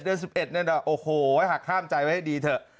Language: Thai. เดือน๑๑เนี่ยโอ้โหหักข้ามใจไว้ดีเถอะ